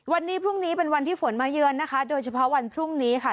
วันนี้พรุ่งนี้เป็นวันที่ฝนมาเยือนนะคะโดยเฉพาะวันพรุ่งนี้ค่ะ